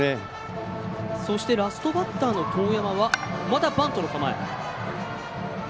そしてラストバッターの當山はまたバントの構え。